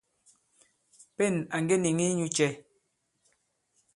Pên à ŋge nìŋi inyū cɛ̄ ?